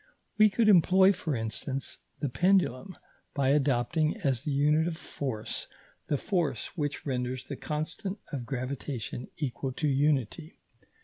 We could employ, for instance, the pendulum by adopting, as the unit of force, the force which renders the constant of gravitation equal to unity.